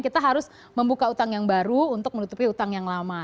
kita harus membuka utang yang baru untuk menutupi utang yang lama